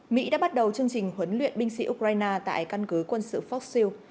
mỹ đã bắt đầu chương trình huấn luyện binh sĩ ukraine tại căn cứ quân sự fox hill